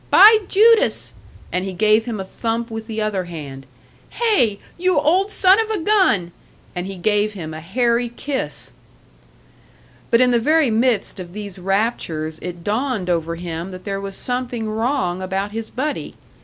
"By Judas!" And he gave him a thump with the other hand. "Hey! you old son of a gun!" And he gave him a hairy kiss! But in the very midst of these raptures it dawned over him that there was something wrong about his buddy.